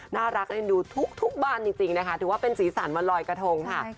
น่ารักเอ็นดูทุกบ้านจริงนะคะถือว่าเป็นสีสันวันลอยกระทงค่ะ